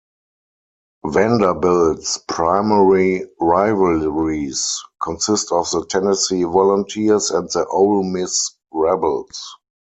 Vanderbilt's primary rivalries consist of the Tennessee Volunteers and the Ole Miss Rebels.